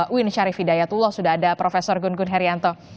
uin syarif hidayatullah sudah ada prof gun gun herianto